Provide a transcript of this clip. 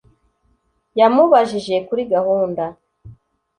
yamubajije kuri gahunda